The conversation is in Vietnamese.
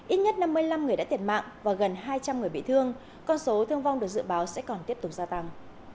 ít nhất năm mươi năm người đã thiệt mạng và gần hai trăm linh người bị thương con số thương vong được dự báo sẽ còn tiếp tục gia tăng